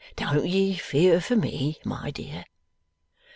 Don't ye fear for me, my dear.